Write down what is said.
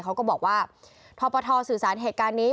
เขาก็บอกว่าทปทสื่อสารเหตุการณ์นี้